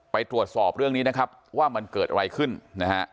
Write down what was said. ไปตรวจสอบเรื่องนี้นะครับว่ามันเกิดอะไรขึ้นนะฮะ